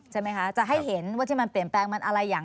ใช่ไหมคะจะให้เห็นว่าที่มันเปลี่ยนแปลงมันอะไรอย่าง